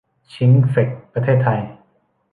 ชริ้งเฟล็กซ์ ประเทศไทย